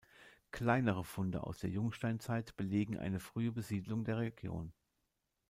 Kleinere Funde aus der Jungsteinzeit belegen eine frühe Besiedelung der Region.